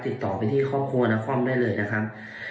ติดต่อไปที่ครอบครัวนครได้เลยนะครับ